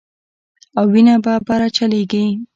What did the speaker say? او وينه به بره چليږي